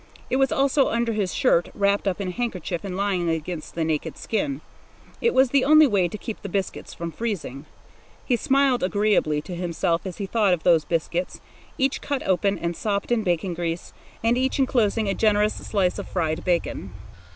It was also under his shirt, wrapped up in a handkerchief and lying against the naked skin. It was the only way to keep the biscuits from freezing. He smiled agreeably to himself as he thought of those biscuits, each cut open and sopped in bacon grease, and each enclosing a generous slice of fried bacon.